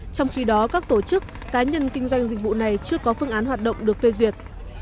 trong khi đó các tổ chức cá nhân kinh doanh dịch vụ này chưa có phương án hoạt động được phê duyệt